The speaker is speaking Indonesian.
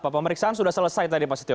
pemeriksaan sudah selesai tadi pak setio